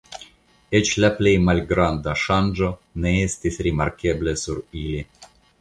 Eĉ la plej malgranda ŝanĝo ne estis rimarkebla sur ili.